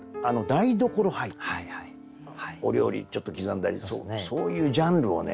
お料理ちょっと刻んだりするそういうジャンルをね